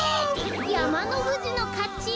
やまのふじのかち！